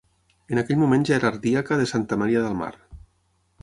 En aquell moment ja era ardiaca de Santa Maria del Mar.